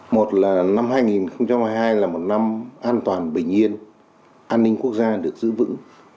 một là năm hai nghìn hai mươi hai là một năm an toàn bình yên an ninh quốc gia được giữ vững